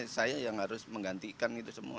saya yang harus menggantikan